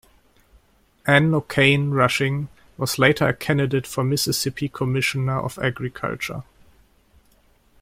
Ann O'Cain Rushing was later a candidate for Mississippi Commissioner of Agriculture.